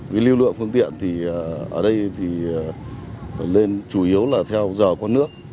vì lưu lượng phương tiện thì ở đây thì lên chủ yếu là theo giờ con nước